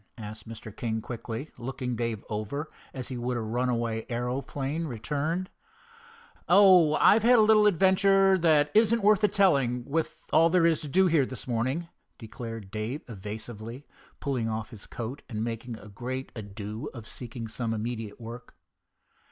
asked Mr. King quickly, looking Dave over as he would a runaway aeroplane returned. "Oh, I've had a little adventure that isn't worth the telling, with all there is to do here this morning," declared Dave evasively, pulling off his coat and making a great ado of seeking some immediate work.